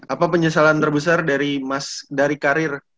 apa penyesalan terbesar dari karir